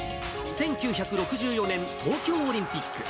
１９６４年東京オリンピック。